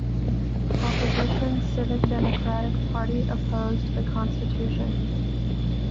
Opposition Civic Democratic Party opposed the Constitution.